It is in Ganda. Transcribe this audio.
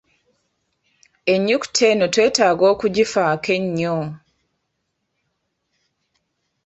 Ennyukuta eno twetaaga okugifaako ennyo.